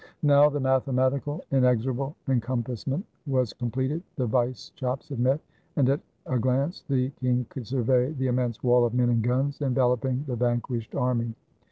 Now the mathematical, inexorable encompassment was completed, the vise chops had met ; and at a glance the king could survey the immense wall of men and guns enveloping the vanquished army.